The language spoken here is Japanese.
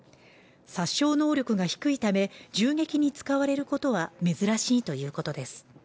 殺傷能力が低いため銃撃に使われることは珍しいということです